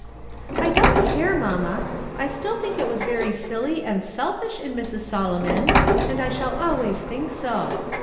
"I don't care, mamma, I still think it was very silly and selfish in Mrs. Solomon, and I shall always think so.